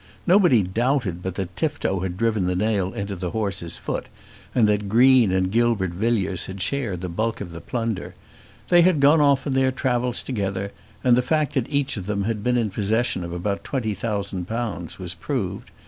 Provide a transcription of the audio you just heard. Nobody doubted but that Tifto had driven the nail into the horse's foot, and that Green and Gilbert Villiers had shared the bulk of the plunder. They had gone off on their travels together, and the fact that each of them had been in possession of about twenty thousand pounds was proved.